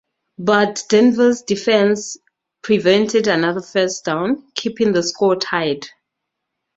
But Denver's defense prevented another first down, keeping the score tied.